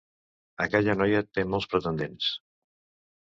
Aquella noia té molts pretendents.